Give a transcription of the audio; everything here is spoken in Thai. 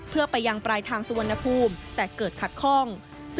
เพื่อไปยังปลายทางสุวรรณภูมิแต่เกิดขัดข้อง